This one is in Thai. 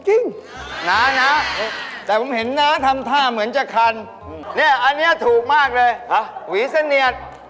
น้านะแต่ผมเห็นน้าทำท่าเหมือนจะคันเนี่ยอันนี้ถูกมากเลยหวีเสนียด